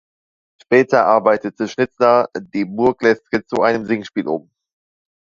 Später arbeitete Schnitzler die Burleske zu einem Singspiel um.